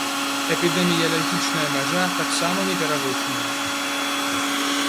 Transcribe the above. Эпідэміялагічная мяжа таксама не перавышаная.